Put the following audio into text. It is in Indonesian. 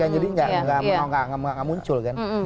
jadi gak muncul